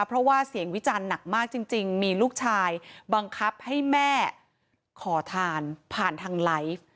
เพราะว่าเสียงวิจารณ์หนักมากจริงมีลูกชายบังคับให้แม่ขอทานผ่านทางไลฟ์